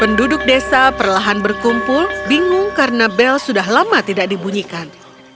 penduduk desa perlahan berkumpul bingung karena bel sudah lama tidak dibunyikan